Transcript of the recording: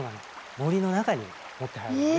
森の中に持って入るのね。